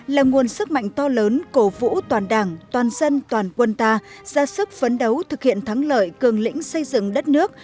là nguồn sức mạnh to lớn cổ vũ toàn đảng toàn dân toàn quân ta ra sức phấn đấu thực hiện thắng lợi cường lĩnh xây dựng đất nước